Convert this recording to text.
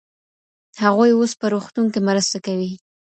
هغوی اوس په روغتون کي مرسته کوي.